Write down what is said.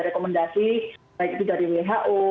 rekomendasi baik itu dari who